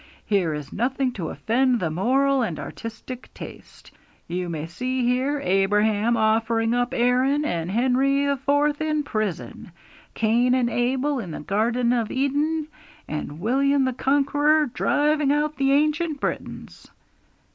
Here is nothing to offend the moral and artistic taste! You may see here Abraham offering up Aaron, and Henry IV. in prison; Cain and Abel in the Garden of Eden, and William the Conqueror driving out the ancient Britons!'